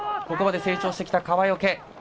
ここまで成長してきた川除。